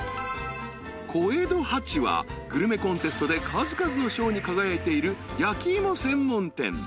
［ＣＯＥＤＯＨＡＣＨＩはグルメコンテストで数々の賞に輝いている焼き芋専門店］